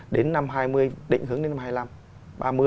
đến năm hai nghìn hai mươi định hướng đến năm hai nghìn hai mươi năm